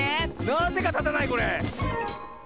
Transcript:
なぜかたたないこれ。